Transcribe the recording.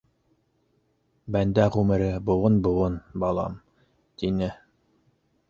Бәндә ғүмере быуын-быуын, балам, - тине.